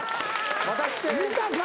見たか？